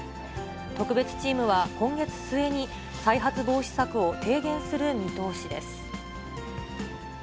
特別チームは今月末に再発防止策を提言する見通しです。